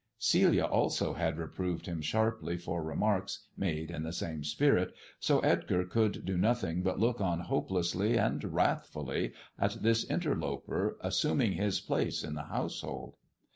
Celia also had reproved him sharply for remarks made in the same spirit, so Edgar could do nothing but look on hopelessly and wrathf uUy at this interloper assuming his place in the household.